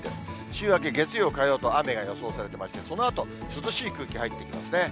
週明け月曜、火曜と雨が予想されていまして、そのあと、涼しい空気入ってきますね。